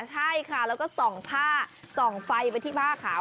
ใช่ค่ะแล้วก็ส่องผ้าส่องไฟไปที่ผ้าขาว